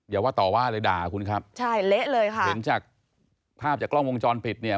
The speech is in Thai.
อย่าว่าต่อว่าเลยด่าคุณครับเห็นจากภาพจากกล้องวงจรผิดเนี่ย